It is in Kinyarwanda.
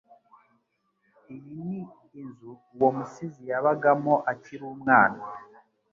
Iyi ni inzu uwo musizi yabagamo akiri umwana.